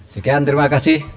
sekian terima kasih